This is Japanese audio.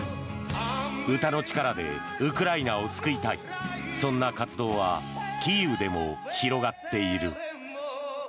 歌の力でウクライナを救いたいそんな活動はキーウでも広がっている。